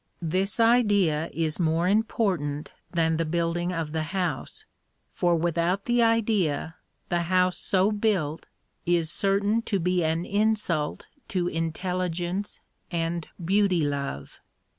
This idea is more important than the building of the house, for without the idea the house so built is certain to be an insult to intelligence and beauty love.